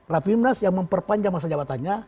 rapimnas yang memperpanjang masa jabatannya